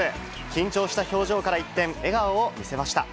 緊張した表情から一転、笑顔を見せました。